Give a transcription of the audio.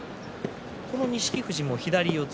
この錦富士も左四つ